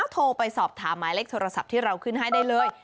โทรไปสอบถามหมายเลขโทรศัพท์ที่เราขึ้นให้ได้เลย